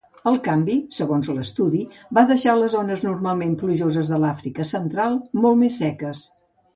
El canvi, segons l'estudi, va deixar les zones normalment plujoses de l'Àfrica central molt més seques.